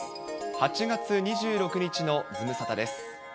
８月２６日のズムサタです。